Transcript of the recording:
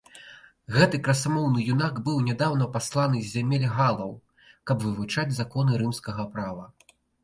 Гэты красамоўны юнак быў нядаўна пасланы з зямель галаў, каб вывучаць законы рымскага права.